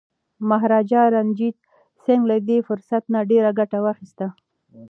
مهاراجا رنجیت سنګ له دې فرصت نه ډیره ګټه واخیسته.